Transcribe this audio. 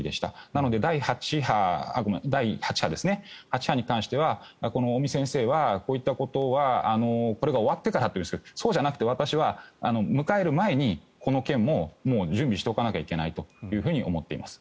なので、第８波に関しては尾身先生はこういったことは、これが終わってからというんですがそうじゃなくて私は迎える前にこの件ももう準備しておかなきゃいけないと思っています。